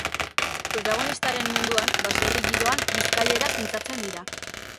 Protagonistaren munduan, baserri giroan, bizkaieraz mintzatzen dira.